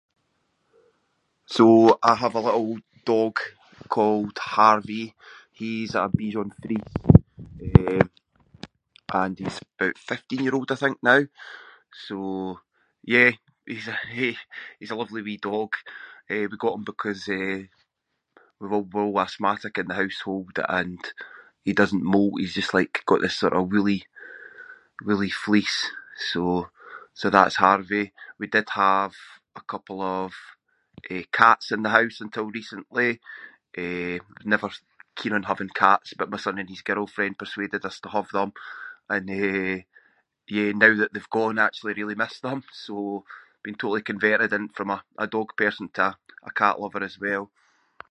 So I have a little dog called Harvey. He’s a Bichon Frisé, eh, and he’s about fifteen year old, I think now, so yeah. He's a- h- he’s a lovely wee dog. Eh, we got him because, eh, we're all- we’re all asthmatic in the household and he doesn’t moult, he’s just like got this sort of woolly- woolly fleece, so- so that’s Harvey. We did have a couple of, eh, cats in the house until recently. Eh, never keen on having cats but my son and his girlfriend persuaded us to have them and, eh, yeah, now that they’ve gone I actually really miss them, so been totally converted in- from a dog person to a- a cat lover as well.